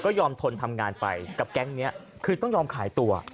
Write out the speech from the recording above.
ก็ยอมทนทำงานไปกับแก๊งนี้คือต้องยอมขายตัว